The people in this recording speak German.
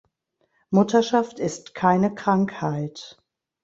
Mutterschaft ist keine Krankheit.